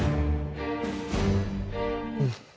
うん。